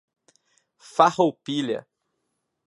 Farroupilha